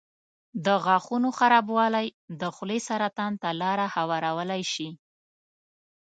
د غاښونو خرابوالی د خولې سرطان ته لاره هوارولی شي.